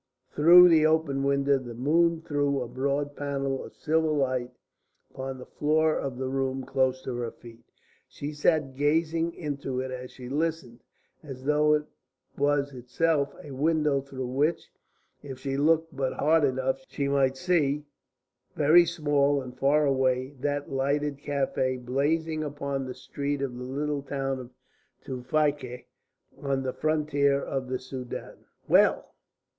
Through the open window the moon threw a broad panel of silver light upon the floor of the room close to her feet. She sat gazing into it as she listened, as though it was itself a window through which, if she looked but hard enough, she might see, very small and far away, that lighted café blazing upon the street of the little town of Tewfikieh on the frontier of the Soudan. "Well?"